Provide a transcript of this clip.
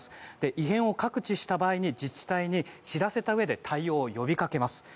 異変を感知した場合に、自治体に知らせたうえで対応を呼びかけます。